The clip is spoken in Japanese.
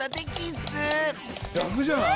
らくじゃない？